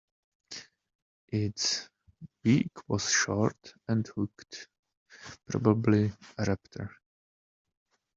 Its beak was short and hooked – probably a raptor.